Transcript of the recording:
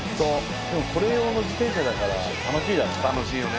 でもこれ用の自転車だから楽しいだろうね。